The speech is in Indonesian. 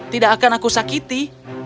tidak akan aku sakiti